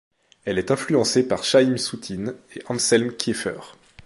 Elle est influencée par Chaïm Soutine et Anselm Kiefer.